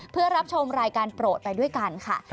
เพื่อรับชมรายการโปรดไปด้วยกันค่ะ